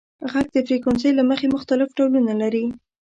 • ږغ د فریکونسۍ له مخې مختلف ډولونه لري.